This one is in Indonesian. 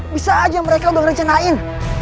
bisa aja mereka udah ngerencanain